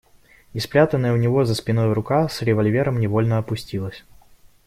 И спрятанная у него за спиной рука с револьвером невольно опустилась.